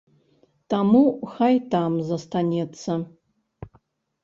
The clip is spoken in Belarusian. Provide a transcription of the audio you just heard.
Таму хай там застанецца.